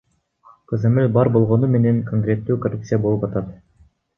Көзөмөл бар болгону менен конкреттүү коррупция болуп атат.